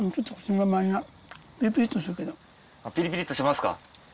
ピリピリっとしますか？